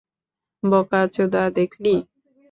বোকাচোদা, দেখলি?